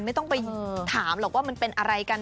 ไม่ต้องไปถามหรอกว่ามันเป็นอะไรกัน